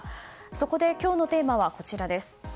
そこで、今日のテーマはこちら。